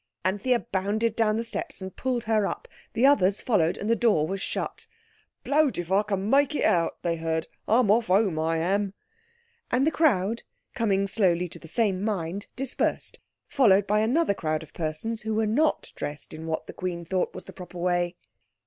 Anthea bounded down the steps and pulled her up; the others followed, and the door was shut. "Blowed if I can make it out!" they heard. "I'm off home, I am." And the crowd, coming slowly to the same mind, dispersed, followed by another crowd of persons who were not dressed in what the Queen thought was the proper way.